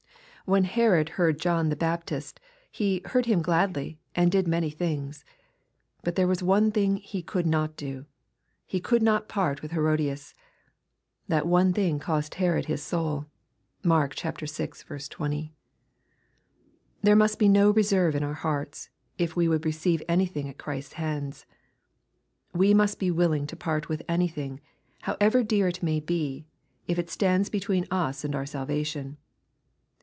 When Herod heard John the Baptist, he "heard him gladly and did many things." But there was one thing he could not do. He could not part with Herodias. That one thing cost Herod his Boul. (Mark vi. 20.) There must be no reserve in our hearts, if we would re ceive anything at Christ's hands. We must be willing to part with anything, however dear it may be, if it stands between us and our salvation.